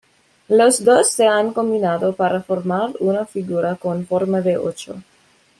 Los dos se han combinado para formar una figura con forma de ocho.